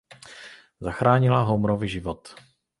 Zachránila Homerovi život.